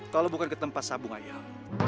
kalau bukan ke tempat sabung ayam